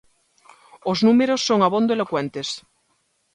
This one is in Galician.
Os números son abondo elocuentes.